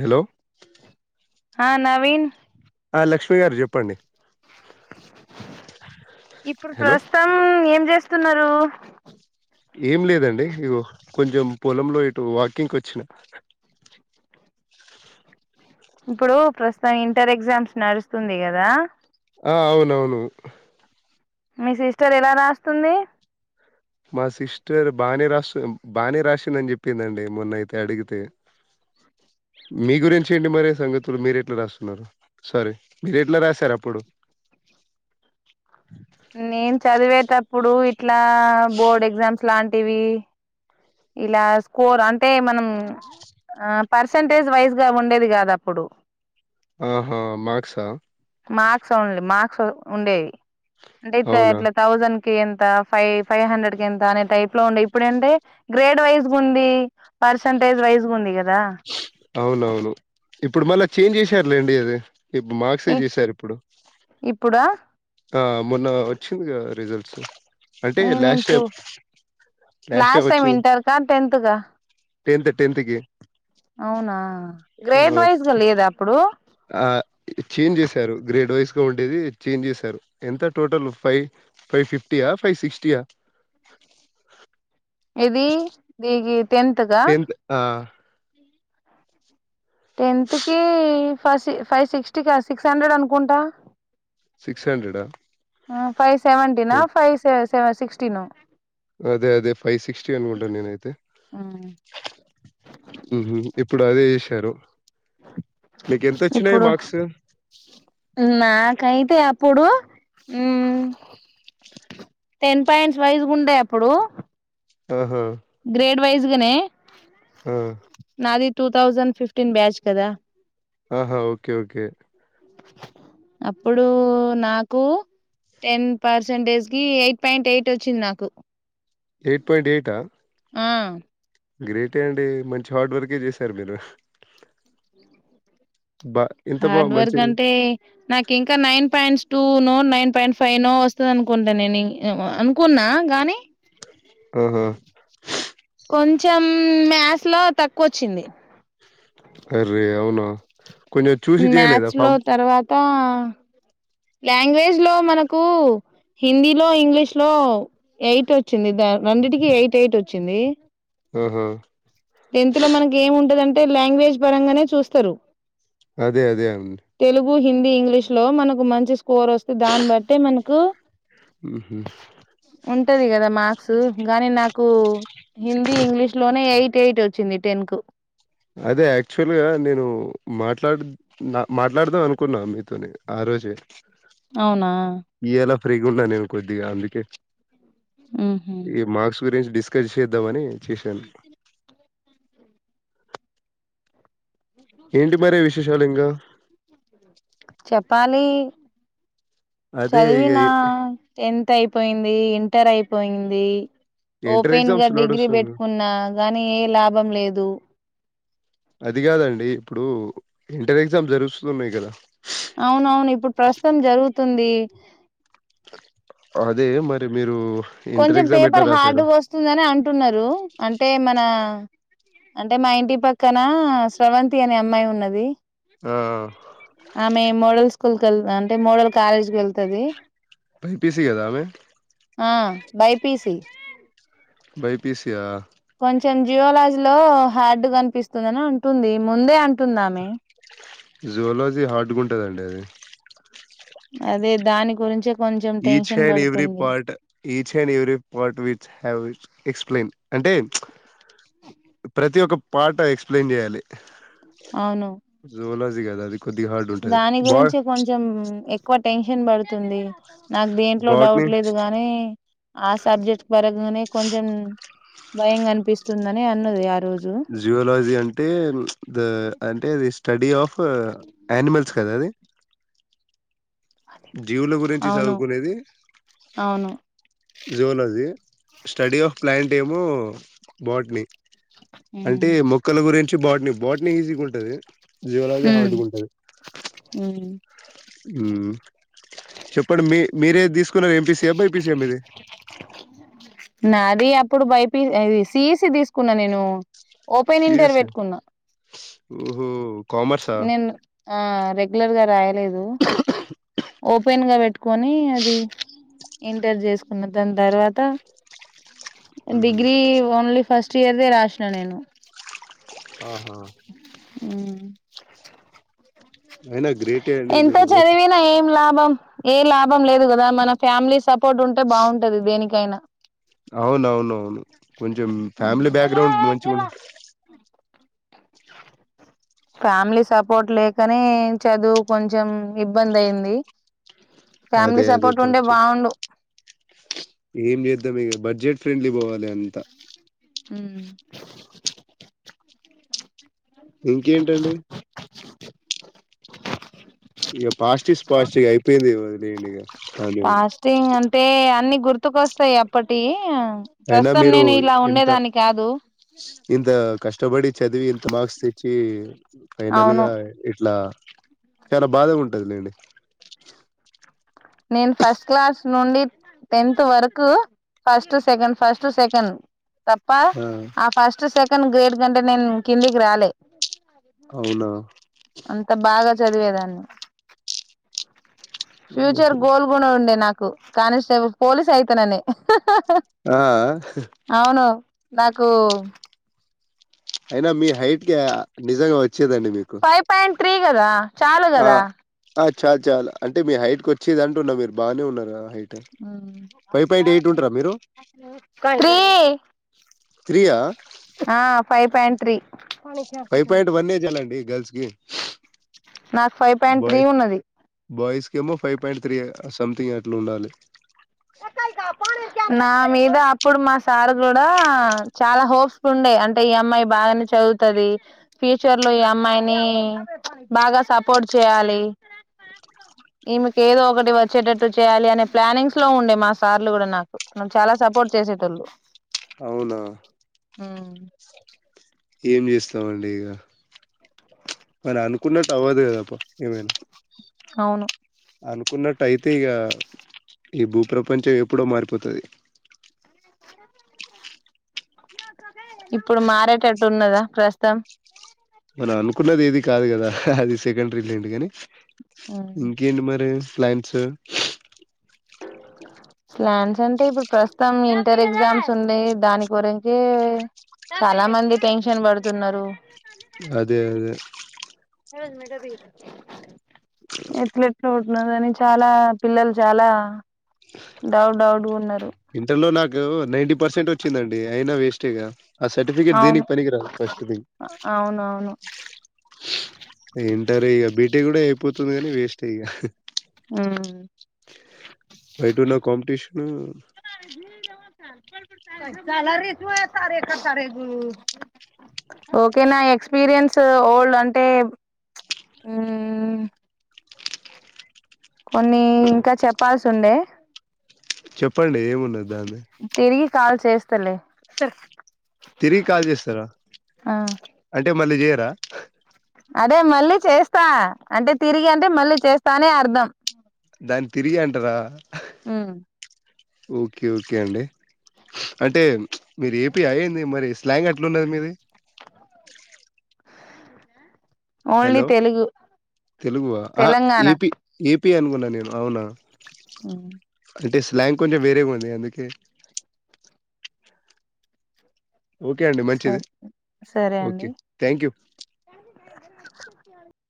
Hello హా నవీన్ లక్ష్మిీ గారు చెప్పండి ఇప్పుడు హలో ప్రస్తుతం ఏం చేస్తున్నారు ఏం లేదండి ఇగో కొంచెం పొలంలో ఇటు వాకింగ్ కి వచ్చిన ఇప్పుడు ప్రస్తుతం ఇంటర్ ఎగ్జామ్స్ నడుస్తుంది కదా ఆ అవునవును మీ సిస్టర్ ఎలా రాస్తుంది మా సిస్టర్ బానే రాసి బానే రాసిందని చెప్పిందండి మొన్నయితే అడిగితే మీ గురించి ఏంటి మరి సంగతులు మీర ఎట్లా రాస్తున్నారు. సారీ మీరు ఎట్లా రాశారు అప్పుడు. నేను చదివేటప్పుడు ఇట్లా బోర్డు ఎగ్జామ్స్ ఇట్లాంటివి ఇలా స్కోర్ అంటే మనం ఆ పర్సంటేజ్ వైజ్ గా ఉండేది కాద అప్పుడు ఆహా మాక్సా ఆ మార్క్స్ ఓన్లీ మార్క్స్ ఉండేవి అంటే అవునా ఇట్లా థౌసండ్ కే ఎంత ఫైవ్ ఫైవ్ హండ్రెడ్ కి ఎంత అనే టైప్ లో ఉండే ఇప్పుడ ఏంటే గ్రేడ్ వైజ్ ఉంది. పర్సెంటేజ్ వైజ్ ఉంది. కదా అవునవును ఇప్పుడు మళ్ళా చేంజ్ చేసారులేండి అది ఇప్పుడు మార్క్సే చేసారు ఇప్పుడు ఇప్పుడా ఆ మొన్న వచ్చిందిగా రిజల్ట్స్ అంటే నేను లాస్ట్ చూ టైం టైం లాస్ట్ టైమ్ వచ్చింది ఇంటర్ క టెన్త్ క టెన్త్ టెన్త్ కి అవునా గ్రేడ్ వైజ్గా లేదా అప్పుడు ఆ చేంజ్ చేశారు. గ్రేడ్ వైస్ గా ఉండేది చేంజ్ చేశారు. ఎంత టోటల్ ఫైవ్ ఫైవ్ ఫిఫ్టీయా ఫైవ్ సిక్స్టీయా ఏది గిద్ టంత ఆ టెన్త్ కి ఫ ఫైవ్ సిక్స్టీ క సిక్స్ హండ్రెడ్ అనుకుంటా సిక్స్ హండ్రెడా ఫైవ్ సెవెంటీనా ఓకే. ఫైవ్వ సిక్స్టీన అదే అదే ఫైవ్ సిక్స్టీ అన్కుంట నేనైతే ఉహు ఇప్పుడు అదే చేశారు మీకు ఎంత వచ్చినాయి ఇప్పుడు మార్క్స్ నాకైతే అంటే అప్పుడు మ్... టెన్ పాయింట్స్ వైజ్ గుండే అప్పుడు ఆహా గ్రేడ్ వైజ్ గనే ఆ, నాది టూ థౌజండ్ ఫిఫ్టీన్ బ్యాచ్ కదా ఆహా ఓకే ఓకే అప్పుడూ నాకూ టెన్ పర్సెంటేజ్ కి ఎయిట్ పాయింట్ ఎయిట్ వచ్చింది నాకు ఎయిట్ పాయింట్ ఎయిటా ఆ... గ్రేటే అండి మంచి హార్డ్ వర్కే చేశారు మీరు బా ఇంత బా హార్డ్ వర్క్ మంచి అంటే నాకు ఇంకా nine points two no nine point five no వస్తుంది అనుకుంటా నేను అనుకున్నా గాని ఆహా కొంచెం మ్యాథ్స్ లో తక్కువ వచ్చింది అర్రే అవునా కొంచెం చూసి చేయలేదా మ్యాథ్స్ లో ఫామ్ తర్వాత లాంగ్వేజ్ లో మనకూ హిందీ లో ఇంగ్లీష్ లో ఎయిట్ వచ్చింది రెండిటికి ఎయిట్ ఎయిట్ వచ్చింది మ్ హా అంటే లాంగ్వేజ్ పరంగానే చూస్తారు అదే అదే అండి కు హిందీ ఇంగ్లీష్ లో మనకు మంచి స్కోర్ వస్తె దాన్ని బట్టె మనకు మ్ హుమ్ ఉంటది కదా మార్క్స్ గాని నాకు హిందీ ఇంగ్లీష్ లోనే ఎయిట్ ఎయిట్ వచ్చింది టెన్ కు అదే యాక్చువల్ గా నేనూ మాట్లాడుత మాట్లాడదాం అనుకున్నా మీతోని ఆ రోజే అవునా ఫ్రీ గున్ననేను కొద్దీగా అందుకే మ్ హుమ్ ఈ మార్క్స్ గురించి డిస్కస్ చేద్దామని చేశాను ఏంటి మరి విశేషాలు ఇంకా చెప్పాలి ఇగ చదివినా ఎ టెన్త్ అయిపోయింది ఇంటర్ అయిపోయింది ఇంటర్ ఓపెన్ గా ఎగ్జామ్స్ డిగ్రీ నడుస్తుంది. పెట్టుకున్నా గాని ఏ లాభం లేదు అది కాదండి ఇప్పుడు ఇంటర్ ఎగ్జామ్ జరుస్తున్నాయి కదా అవునవును ఇప్పుడు ప్రస్తుతం జరుగుతుంది అదే మరి మీరూ కొంచెం పేపర్ హార్డ్ వస్తుందని అంటున్నారు అంటే మన అంటే మా ఇంటి పక్కన స్రవంతి అనే అమ్మాయి ఉన్నది ఆ! ఆమె మోడల్ స్కూల్ క వెళ్తా అంటే మోడల్ కాలేజ్ కి వెళ్తది బై పీ సి గద అమె ఆ బైపిసి బైపీసియా కొంచెం జియోలాజీ లో హార్డ్ కనిపిస్తుందని అంటుంది ముందే అంట జూలోజీ హా హర్డ్ గుటదండి అది అదే దాని గురించె each and every part, each and every part which, how which. Explain, అంటే, ప్రతి ఒక్క పాట ఎక్స్ప్లెయిన్ జెయాలి. అవును జోలాసిగాదా అది. కొద్దిగా హార్డ్ ఉంటది దాని బా గురించి కొంచెం, ఎక్కువ టెన్షన్ పడుతుంది. నాకు దేంట్లో డౌట్ బాట్ని లేదు గానీ, ఆ సబ్జెక్ట్ పరన్ గానే కొంచం ఉ. భయం కనిపిస్తుందనే అన్నది య. జువలాజీ అంటే, ద అంటే ఇది స్టడీ ఆఫ్. పా యానిమల్స్ కదా అది. జీవుల గురించి అవును చదువుకునేది, అవును జువలజీ. స్టడీ ఆఫ్ ప్లాంట్ ఏమో, బోట్ ని ఉమ్ అంటే మొక్కల గురి. వచ్చి బాట్నీ బాట్నీ ఈజీగుంటది జీవలజ ఉమ్ హార్డ్గుంటది. ఉమ్. చెప్పండి మీ మీరే దిసుకు. తీకున్నారు ఎంపీసీయ, బైపిసీయ మీది. నాది అప్పుడు బైపి, ఎది సిఎసీ తీసుకున్నా నేను. ఓపెన్ ఇంటర్ సిఎస్ఈ పెట్టుకున్నా. ఓహో! కామర్సా? నేను, ఆ రెగ్యులర్ గా రాయలేదు, ఓపెన్ గా పెట్. కోని అది, ఇంటర్ చేసుకున్న దని తర్వాత. హుహు. డిగ్రీ, ఓన్లీ ఫస్ట్ ఇయర్ దే రాసిన నేను. ఆహా. అ. అయినా గ్రేటే అండి ఎంతో మీరు. చదివినా ఏం లాభం. ఏ లాభం లేదు గదా మన ఫ్యామిలీ సపోట్ ఉంటే బాగుంటది దేనికైనా. అవునవును, కొంచెం ఫ్యామిలీ బ్యాగ్రాండ్ మంచి. ఫ్యామిలీ సపోట్, లేకనే చదువు కొంచం ఇబ్బంది అయింది. అదే ఫ్యామిలీ అదే, సపోర్ట్ ఉంటే బడ్జెట్, బాగుండు ఏం చేద్దాం ఇగ బడ్జెట్. ఫ్రెండ్లీ పోవాలి అంత. ఉమ్. ఇంకేంటండి. ఇగ పాస్ టిస్ పాస్ టిగ అయిపోయింది గ వదిలేయండి అని. ఫాస్టింగ్ అంటే అన్ని గుర్తుకొస్తాయి అప్పటియి. అయినా ప్రస్తుతం మీరు, నేను ఇలా ఎంత, ఉండేదాన్ని కాదు ఇంతా కష్టపడి. చదివి ఇంత మార్క్స్ ఇచ్చి ఫైనల్ అవును గా ఇట్లా. చాలా బాధగ ఉంటదిలేండి. నేను ఫస్ట్ క్లాస్ నుండి, టెన్త్ వరకు. First to second, first to second. తప్ప, ఆ ఫస్ట్ సెకన్ గ్రేడ్ కంటే నేను కిందికి రాలే. అవునా? అంత బాగా చదివేదాన్ని ఉ ఫ్యూచర్ గోల్ గుడ ఉండే నాకు, కానిస్టేబుల్ పోలీస్ అయితననీ. ఆ అ. నాకూ. అయినా మీ హైట్ కె అ నిజంగా వచ్చేదండి మీకు. ఫైవ్ పాయింట్ త్రీ కదా చాలూ కదా. చాలు చాల్ అంటే, మీ హైట్కి కోచ్చేది అంటున్న మీరు బాగానే ఉన్నారా హై. కంత్రి. ఆ. Five point three. Five point one ఏ చాలండి గర్ల్స్ కి. నాకు ఫైవ్ పాయింట్ త్రీ బాయ్, ఉన్నది బాయ్స్ కెమో ఫైయి పాయిట్. త్రి అ సంథింగ్ అట్లా ఉండాలి. ఒకరు గప్పానురికే. నా మీద అప్పుడు మా సార్ కూడా చాలా హోప్స్ ఉండే అంటే ఈ అమ్మాయి బాగానే చదువు వుతది ఫ్యూచర్ లో ఈ అమ్మాయిని బాగా సపోర్ట్ చేయాలి ఈమెకు ఏదో ఒకటి వచ్చేటట్టు చేయాలి అనే ప్లానింగ్స్ లో ఉండే మా సార్లు కూడా నాకు చాలా సపోర్ట్ చేసేటోళ్ళు అవునా ఏం చేస్తామండి ఇక మన అనుకున్నట్టు అవ్వదు కదా ఏమైనా అవును అనుకున్నట్టు అయితే ఇగ ఈ భూప్రపంచం ఎప్పుడో మారిపోతది అ ఇప్పుడు మారేటట్టు ఉన్నదా ప్రస్తుతం మనం అనుకున్నది ఏది కాదు కదా అది సెకండరీ లేండి కని ఇంకేంటి మరి ప్లాన్స్ స్లాన్స్ అంటే ఇప్పుడు ప్రస్తుతం ఇంటర్ ఎగ్జామ్స్ ఉన్నాయి దాని గురించే చాలా మంది టెన్షన్ పడుతున్నారు అదే అదే ఎట్లెట్లో కాని చాలా పిల్లలు చాలా డౌట్ డౌడ్ ఉన్నారు ఇంటర్‌లో నాకు టిగ ఆ సర్ఫికెట్ అవును దేనికి పనికి రాదు ఫస్ట్ థింగ్ అవునవును ఇంటరు ఇగ బీటి కూడా అయిపోతుంది గానీ వేస్ట్ ఇగ ఉమ్. వైటూలో కాంపిటీషన్ చలరిస్ూ ఎస్త రే రే గు ఓకే నా ఎక్స్పీరియన్స్ ఓల్డ్ అంటే ఊ మ్ కొన్ని ఇంకా చెప్పాల్సి ఉండే చెప్పండి ఏమున్నది దాన్ని తిరిగి కాల్ చేస్తలే తిరిగి కాల్ చేస్తారా ఆ అంటే మళ్ళీ చేయరా అదే మళ్ళీ చేస్తా అంటే తిరిగి అంటే మళ్ళీ చేస్తానే అర్ధం దాన్ని తిరిగి అంటార ఉమ్ ఓకే ఓకే అండి అంటే మీరు ఏపీ యా ఏంది మరి స్లాంగ్ అట్లుందెంది మీది ఓన్లీ హలో తెలుగు తెలుగువా ఆ తెలంగాణ ఏపీ ఏపీ అనుకున్నా నేను అవునా మ్ లాం కొంచెం వేరేగా ఉంది అందుకే ఓకే అండి మంచిది. సరే సరే అండి ఓకే. అ థ్యాంక్ యూ.